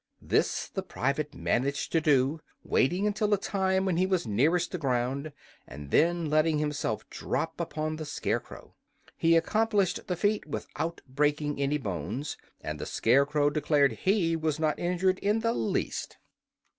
This the private managed to do, waiting until a time when he was nearest the ground and then letting himself drop upon the Scarecrow. He accomplished the feat without breaking any bones, and the Scarecrow declared he was not injured in the least.